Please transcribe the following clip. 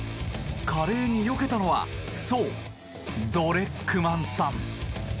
華麗によけたのはそう、ドレックマンさん。